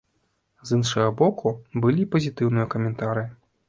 З іншага боку, былі і пазітыўныя каментары.